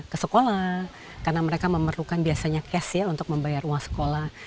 ke sekolah karena mereka memerlukan biasanya cash ya untuk membayar uang sekolah